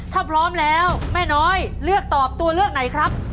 ถ้าพร้อมแล้วแม่น้อยเลือกตอบตัวเลือกไหนครับ